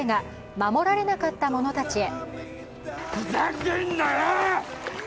「護られなかった者たちへ」。